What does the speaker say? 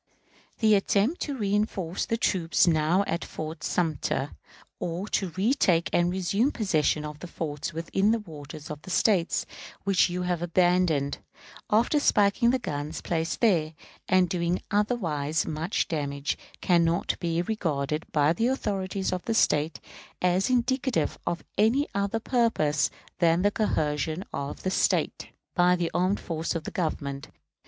The attempt to reënforce the troops now at Fort Sumter, or to retake and resume possession of the forts within the waters of this State, which you have abandoned, after spiking the guns placed there, and doing otherwise much damage, can not be regarded by the authorities of this State as indicative of any other purpose than the coercion of the State by the armed force of the Government.